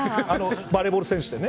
バレーボール選手でね。